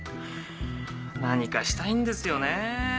何かしたいんですよね。